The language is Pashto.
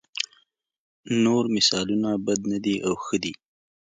نور مثالونه بد نه دي او ښه دي.